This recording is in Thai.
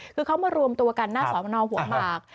คือเขามารวมตัวกันหน้าสอนอหัวหมาก